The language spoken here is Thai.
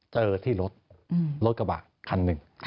เจอที่รถรถกระบะคันหนึ่ง